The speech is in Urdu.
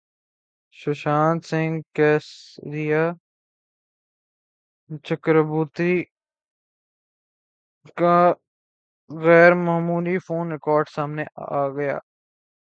سشانت سنگھ کیس ریا چکربورتی کا غیر معمولی فون ریکارڈ سامنے گیا